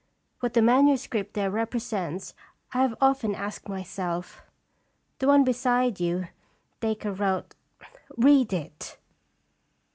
What the manuscript there represents I have often asked myself. The one beside you, Dacre wrote. Read it."